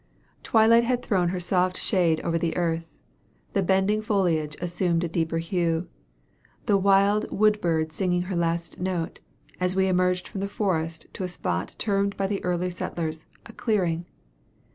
"Twilight had thrown her soft shade over the earth: the bending foliage assumed a deeper hue; the wild wood bird singing her last note, as we emerged from the forest to a spot termed by the early settlers 'a clearing.'